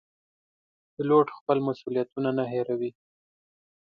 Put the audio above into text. پیلوټ خپل مسوولیتونه نه هېروي.